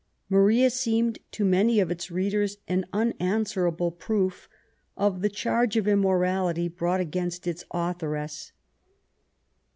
Maria seemed to many of its readers an unanswerable proof of the charge of immorality brought against its authoress.